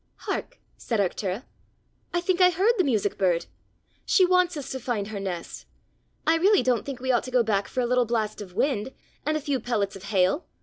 "Hark!" said Arctura; "I think I heard the music bird! She wants us to find her nest! I really don't think we ought to go back for a little blast of wind, and a few pellets of hail!